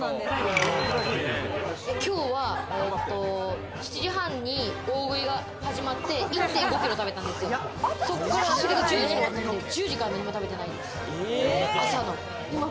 きょうは７時半に大食いが始まって、１．５キロ食べたんですけれども、そっから、それが１０時に終わったので、１０時から何も食べてないです。